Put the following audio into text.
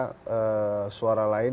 yang harusnya bisa suara lain